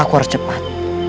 aku harus cepat